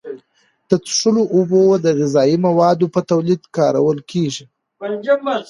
د څښلو اوبو او غذایي موادو په تولید کې کارول کیږي.